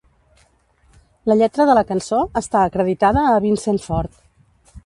La lletra de la cançó està acreditada a Vincent Ford.